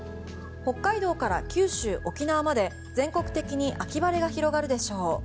北海道から九州、沖縄まで全国的に秋晴れが広がるでしょう。